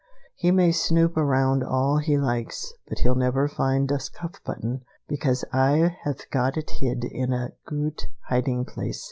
He may snoop around here all he likes, but he'll never find das cuff button, because Ay have got it hid in a goot hiding place!